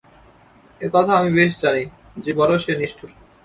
এ কথা আমি বেশ জানি, যে বড়ো সে নিষ্ঠুর।